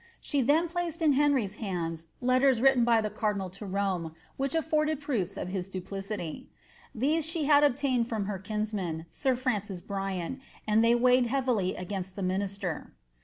She then placed in llniry's hands letters written by ihe cardinal to Rome, which aSbrdeii pmo& of his duplicity. These she had obtained from her kinsman, sir I'micw Bryan, and they weighed heavily against the minister.